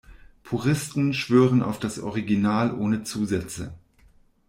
Puristen schwören auf das Original ohne Zusätze.